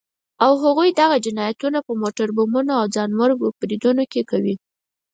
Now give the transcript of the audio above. او هغوی دغه جنايتونه په موټر بمونو او ځانمرګو بريدونو کې کوي.